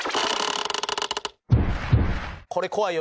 これ怖いよ。